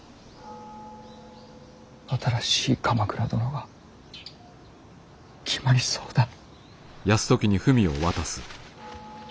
新しい鎌倉殿が決まりそうだ。